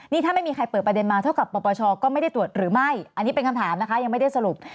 นี่ถ้าไม่มีใครเปิดประเด็นมาเท่ากับปปชก็ไม่ได้ตรวจหรือไม่อันนี้เป็นคำถามนะคะยังไม่ได้สรุป